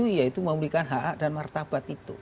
rekonsiliasi itu yaitu memulihkan hak dan martabat itu